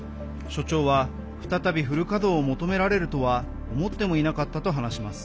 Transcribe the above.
所長は再びフル稼働を求められるとは思ってもいなかったと話します。